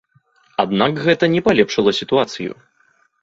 Аднак гэта не палепшыла сітуацыю.